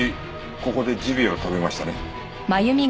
ここでジビエを食べましたね。